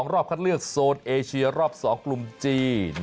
รอบคัดเลือกโซนเอเชียรอบ๒กลุ่มจีน